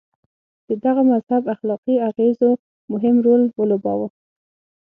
د دغه مذهب اخلاقي اغېزو مهم رول ولوباوه.